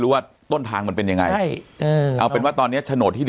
รู้ว่าต้นทางมันเป็นยังไงเออเป็นว่าตอนนี้ฉโน๊ตที่ริน